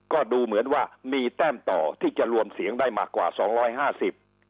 ก็ดูเหมือนว่ามีแต้มต่อที่จะรวมเสียงได้มากกว่าสองร้อยห้าสิบ